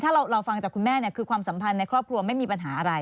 ถ้าเราฟังจากคุณแม่คือความสัมพันธ์ในครอบครัวไม่มีปัญหาอะไร